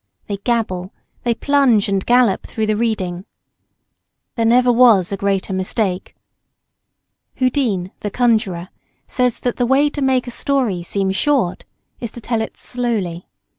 They gabble; they plunge and gallop through the reading. There never was a greater mistake. Houdin, the conjuror, says that the way to make a story seem short is to tell it slowly.